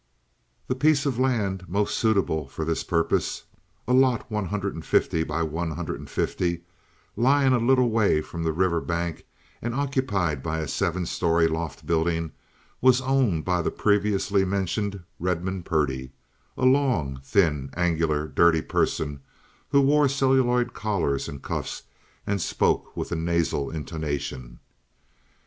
The piece of land most suitable for this purpose, a lot 150 x 150, lying a little way from the river bank, and occupied by a seven story loft building, was owned by the previously mentioned Redmond Purdy, a long, thin, angular, dirty person, who wore celluloid collars and cuffs and spoke with a nasal intonation.